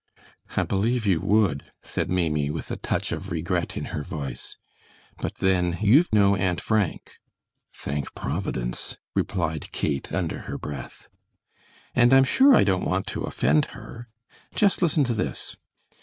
"I believe you would," said Maimie, with a touch of regret in her voice; "but then, you've no Aunt Frank!" "Thank Providence," replied Kate, under her breath. "And I'm sure I don't want to offend her. Just listen to this."